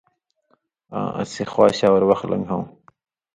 آں اسی خوا و شا اور وخ لن٘گھؤں